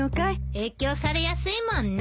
影響されやすいもんね。